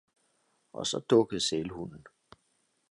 og så dukkede sælhunden.